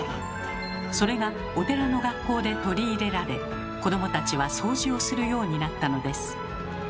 それがお寺の学校で取り入れられ子どもたちは掃除をするようになったのです。